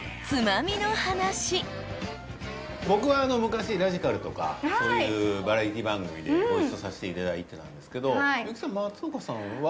僕はあの昔『ラジかるッ』とかそういうバラエティー番組でご一緒させていただいてたんですけど松岡さんは。